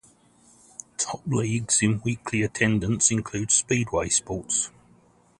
Top leagues in weekly attendance includes speedway sports.